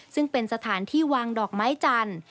ซึ่งเป็นสถานที่วางดอกไม้จันทร์